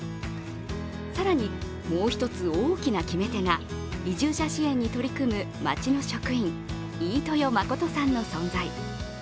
更に、もう一つ大きな決め手が移住者支援に取り組む町の職員飯豊信さんの存在。